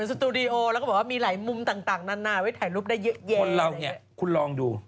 คนเราเนี่ยคุณลองดู